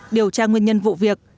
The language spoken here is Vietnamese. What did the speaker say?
điều tra nguyên nhân vụ việc